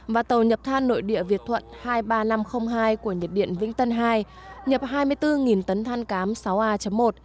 và tàu nhập than nội địa việt thuận hai mươi ba nghìn năm trăm linh hai của nhiệt điện vĩnh tân hai nhập hai mươi bốn tấn than cám sáu a một